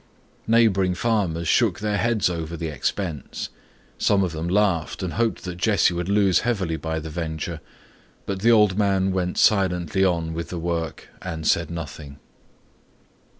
Neighboring farmers shook their heads over the expense. Some of them laughed and hoped that Jesse would lose heavily by the venture, but the old man went silently on with the work and said nothing.